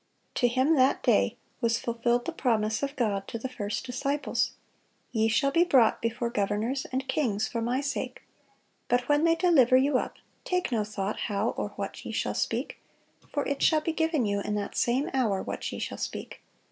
To him that day was fulfilled the promise of God to the first disciples: "Ye shall be brought before governors and kings for My sake.... But when they deliver you up, take no thought how or what ye shall speak: for it shall be given you in that same hour what ye shall speak.